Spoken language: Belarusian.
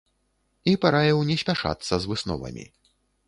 І параіў не спяшацца з высновамі.